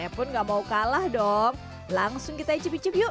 pun gak mau kalah dong langsung kita icip icip yuk